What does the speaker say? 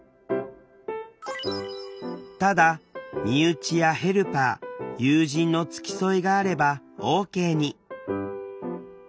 ただ身内やヘルパー友人の付き添いがあればＯＫに。